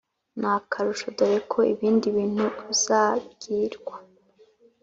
N akarusho dore ibindi bintu uzabwirwa